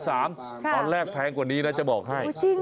ตอนแรกแพงกว่านี้นะจะบอกให้